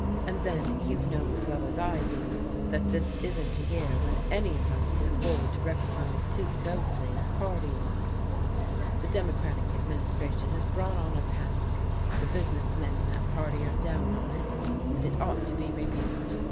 And then you know as well as I do that this isn't a year when any of us can afford to recognize too closely party lines; the Democratic administration has brought on a panic, the business men in that party are down on it, and it ought to be rebuked.